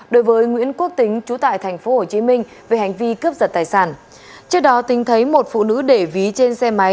đối với nguyễn quốc tính chú tại thành phố hồ chí minh về hành vi cướp giật tài sản trước đó tính thấy một phụ nữ để ví trên xe máy